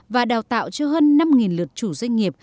và đào tạo cho hơn năm lượt chủ doanh nghiệp